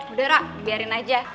udah ra dibiarin aja